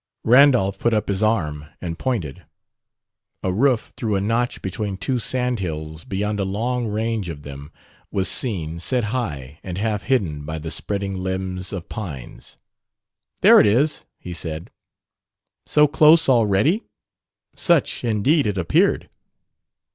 Randolph put up his arm and pointed. A roof through a notch between two sandhills beyond a long range of them, was seen, set high and half hidden by the spreading limbs of pines. "There it is," he said. "So close, already?" Such, indeed, it appeared.